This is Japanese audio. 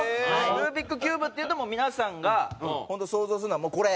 ルービックキューブっていうともう皆さんが本当想像するのはもうこれ。